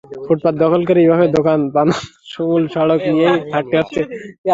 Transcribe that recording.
ফুটপাত দখল করে এভাবে দোকান বসানোয় মূল সড়ক দিয়েই হাঁটতে হচ্ছে।